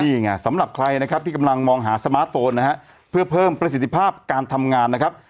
นี่ไงสำหรับใครนะครับที่กำลังมองหาสมาร์ทโฟนนะฮะเพื่อเพิ่มประสิทธิภาพการทำงานนะครับ